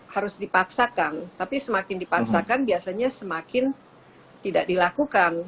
harus dipaksakan tapi semakin dipaksakan biasanya semakin tidak dilakukan